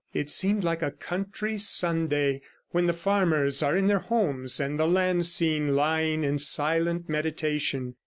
It seemed like a country Sunday, when the farmers are in their homes, and the land scene lying in silent meditation.